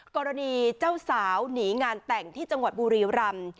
กรณีเจ้าสาวหนีงานแต่งที่จังหวัดบุรีรำ